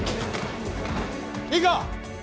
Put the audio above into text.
いいか？